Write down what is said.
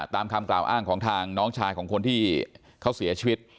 ตามคำกล่าวอ้างของทางน้องชายของคนที่เขาเสียชีวิต